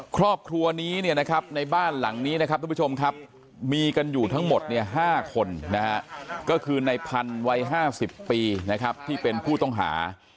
ครอบครัวนี้ในบ้านหลังนี้มีกันอยู่ทั้งหมด๕คนก็คือในพันวัย๕๐ปีที่เป็นผู้ต้องหา